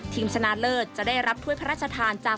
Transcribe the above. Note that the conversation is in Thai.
ชนะเลิศจะได้รับถ้วยพระราชทานจาก